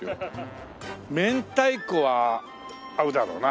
明太子は合うだろうな。